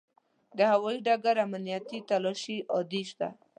د هوایي ډګر امنیتي تلاشي عادي ده.